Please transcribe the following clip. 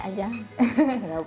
kebetulan saya juga